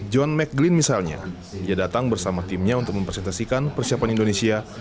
john mcglynn misalnya dia datang bersama timnya untuk mempersentasikan persiapan indonesia